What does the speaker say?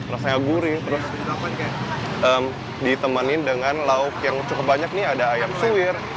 rasanya gurih terus ditemenin dengan lauk yang cukup banyak nih ada ayam sewir